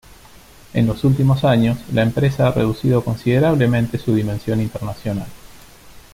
En los últimos años la empresa ha reducido considerablemente su dimensión internacional.